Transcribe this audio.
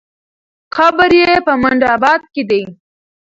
قبر یې په منډآباد کې دی.